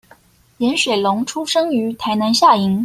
顏水龍出生於台南下營